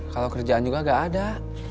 kalau kerjaan juga gak ada